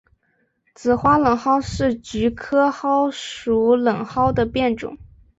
紫花冷蒿是菊科蒿属冷蒿的变种。